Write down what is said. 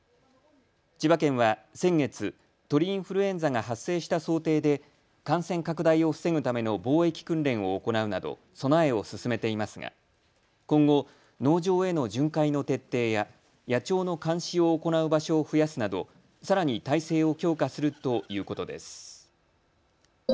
千葉県は先月、鳥インフルエンザが発生した想定で感染拡大を防ぐための防疫訓練を行うなど備えを進めていますが今後、農場への巡回の徹底や野鳥の監視を行う場所を増やすなど、さらに態勢を強化するということです。